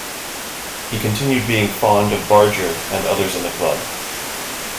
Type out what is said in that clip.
He continued being fond of Barger and others in the club.